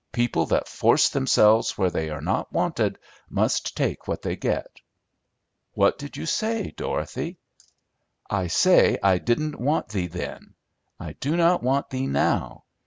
People that force themselves where they are not wanted must take what they get." "What did you say, Dorothy?" "I say I didn't want thee then. I do not want thee now.